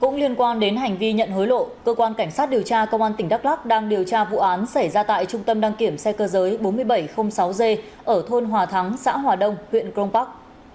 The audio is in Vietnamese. cũng liên quan đến hành vi nhận hối lộ cơ quan cảnh sát điều tra công an tỉnh đắk lắc đang điều tra vụ án xảy ra tại trung tâm đăng kiểm xe cơ giới bốn nghìn bảy trăm linh sáu g ở thôn hòa thắng xã hòa đông huyện crong park